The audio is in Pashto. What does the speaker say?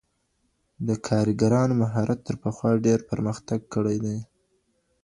د کارګرانو مهارت تر پخوا ډېر پرمختګ کړی دی.